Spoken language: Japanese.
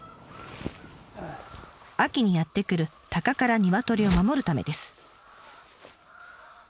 秋にやって来るタカからニワトリを守るためです。